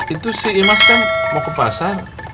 itu si imas kan mau ke pasar